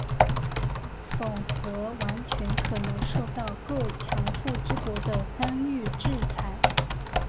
否则完全可能受到各强富之国的干预制裁。